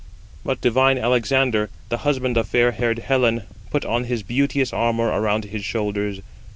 But divine Alexander, the husband of fair haired Helen, put on his beauteous armour around his shoulders.